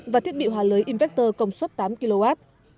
và thiết bị hòa lưới invector công suất tám kw